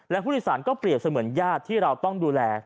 และผู้โดยสารก็เปรียบเสมือนญาติที่เราต้องดูแล